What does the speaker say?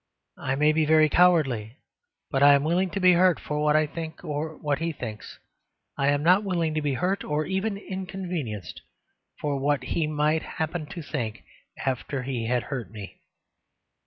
I may be very cowardly, but I am willing to be hurt for what I think or what he thinks I am not willing to be hurt, or even inconvenienced, for whatever he might happen to think after he had hurt me.